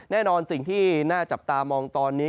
แน่นอนสิ่งที่น่าจับตามองตอนนี้